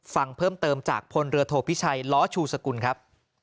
ฟังเพิ่มเติมจากพลเรือโทพิชัยล้อชูสกุลครับ